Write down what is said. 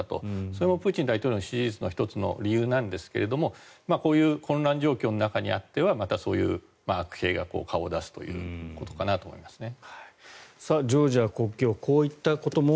それもプーチン大統領の支持率の１つの要因なんですがこういう混乱状況の中にあってはまたそういう悪弊が顔を出すということかなと思いますね。